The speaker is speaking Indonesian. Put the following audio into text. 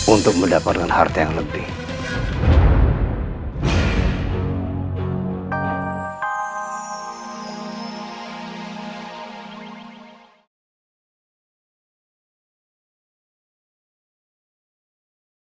untuk mendapatkan harta yang lebih